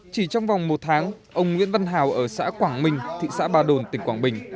chỉ trong vòng một tháng ông nguyễn văn hào ở xã quảng minh thị xã ba đồn tỉnh quảng bình